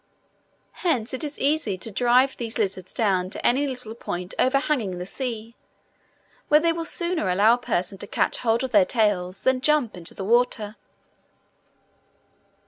Hence it is easy to drive these lizards down to any little point overhanging the sea, where they will sooner allow a person to catch hold of their tails than jump into the water.